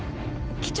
機長？